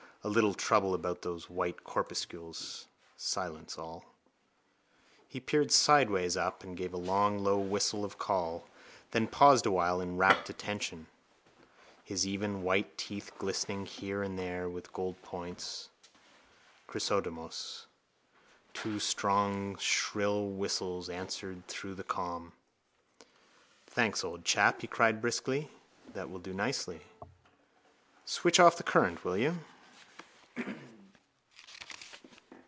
A little trouble about those white corpuscles. Silence, all. He peered sideways up and gave a long slow whistle of call, then paused awhile in rapt attention, his even white teeth glistening here and there with gold points. Chrysostomos. Two strong shrill whistles answered through the calm. —Thanks, old chap, he cried briskly. That will do nicely. Switch off the current, will you?